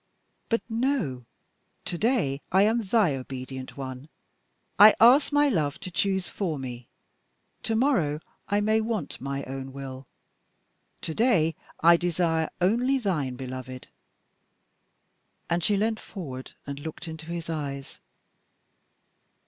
But no! to day I am thy obedient one. I ask my Love to choose for me. To morrow I may want my own will; to day I desire only thine, beloved," and she leant forward and looked into his eyes.